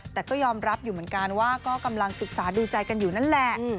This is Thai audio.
แต่ก็ยอมรับอยู่เหมือนกันว่าก็กำลังศึกษาดูใจกันอยู่นั่นแหละ